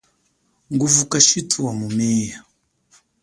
Nguvu kashithu wa mumeya.